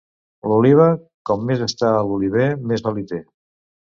L'oliva, com més està a l'oliver, més oli té.